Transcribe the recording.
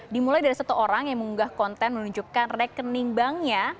dimulai dari satu orang yang mengunggah konten menunjukkan rekening banknya